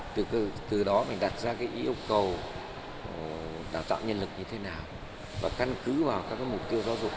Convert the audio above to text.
từ đó mình đặt ra cái yêu cầu đào tạo nhân lực như thế nào và căn cứ vào các mục tiêu giáo dục